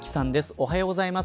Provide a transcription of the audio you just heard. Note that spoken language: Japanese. おはようございます。